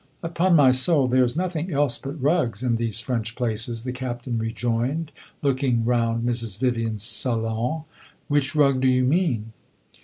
"Upon my soul, there is nothing else but rugs in these French places!" the Captain rejoined, looking round Mrs. Vivian's salon. "Which rug do you mean?"